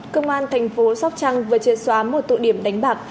cơ quan thành phố sóc trăng vừa chê xóa một tụ điểm đánh bạc